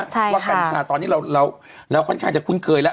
ว่ากัญชาตอนนี้เราค่อนข้างจะคุ้นเคยแล้ว